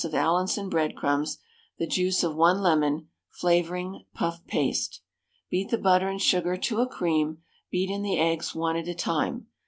of Allinson breadcrumbs, the juice of 1 lemon, flavouring, puff paste. Beat the butter and sugar to a cream, beat in the eggs one at a time.